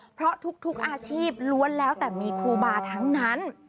เพราะทุกอาชีพล้วนแล้วแต่มีครูบาทั้งนั้น